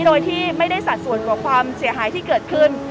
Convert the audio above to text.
โดยที่ไม่ได้สัดส่วนกว่าความเสียหายที่เกิดขึ้น